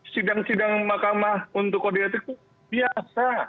sidang sidang mahkamah untuk kode etik itu biasa